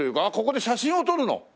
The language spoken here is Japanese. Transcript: ああここで写真を撮るの？